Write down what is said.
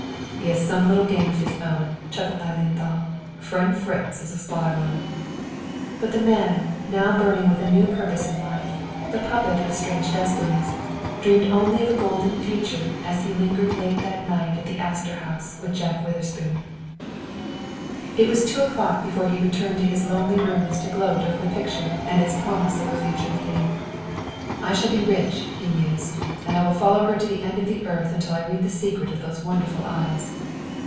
"He has some little game of his own," chuckled Lilienthal. "Friend Fritz is a sly one." But the man, now burning with a new purpose in life, the puppet of strange destinies, dreamed only of a golden future as he lingered late that night at the Astor House with Jack Witherspoon. It was two o'clock before he returned to his lonely rooms to gloat over the picture and its promise of the future meeting. "I shall be rich," he mused, "and I will follow her to the end of the earth until I read the secret of those wonderful eyes."